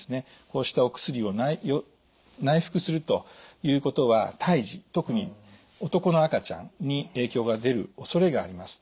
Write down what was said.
こうしたお薬を内服するということは胎児特に男の赤ちゃんに影響が出るおそれがあります。